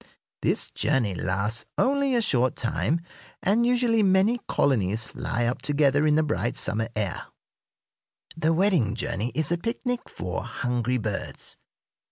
This journey lasts only a short time, and usually many colonies fly up together in the bright summer air. The wedding journey is a picnic for hungry birds.